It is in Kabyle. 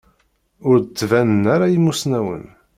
Ur d-ttbanen ara imusnawen.